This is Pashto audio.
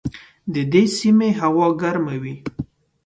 د دې سیمې هوا ګرمه وي.